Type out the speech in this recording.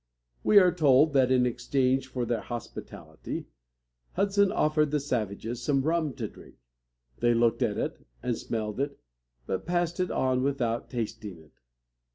We are told that, in exchange for their hospitality, Hudson offered the savages some rum to drink. They looked at it, and smelled it, but passed it on without tasting it.